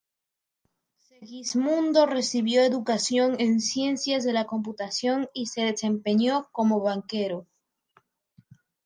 Segismundo recibió educación en ciencias de la computación y se desempeñó como banquero.